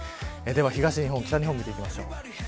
では東日本北日本見ていきましょう。